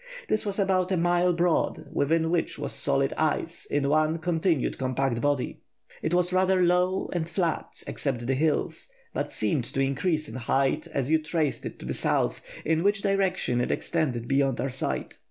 This was about a mile broad, within which was solid ice in one continued compact body. It was rather low and flat (except the hills), but seemed to increase in height as you traced it to the south, in which direction it extended beyond our sight....